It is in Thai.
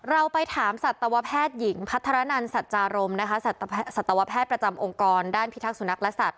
เราไปถามสัตวแพทย์หญิงพัฒนันสัจจารมนะคะสัตวแพทย์ประจำองค์กรด้านพิทักษุนักและสัตว